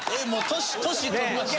年取りました？